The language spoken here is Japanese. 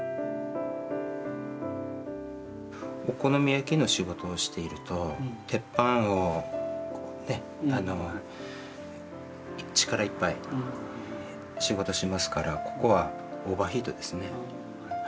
お好み焼きの仕事をしていると鉄板を力いっぱい仕事しますからここはオーバーヒートですね。